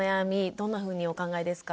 どんなふうにお考えですか？